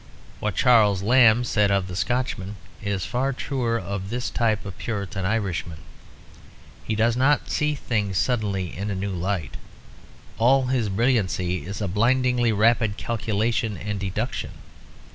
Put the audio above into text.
What Charles Lamb said of the Scotchman is far truer of this type of Puritan Irishman; he does not see things suddenly in a new light; all his brilliancy is a blindingly rapid calculation and deduction.